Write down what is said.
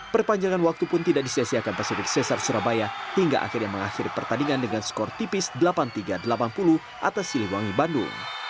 perpanjangan waktu pun tidak di sesi akan pasifik sesar surabaya hingga akhirnya mengakhiri pertandingan dengan skor tipis delapan puluh tiga delapan puluh atas siliwangi bandung